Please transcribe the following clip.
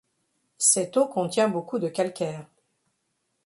Cette eau contient beaucoup de calcaire.